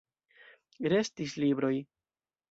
Restis libroj.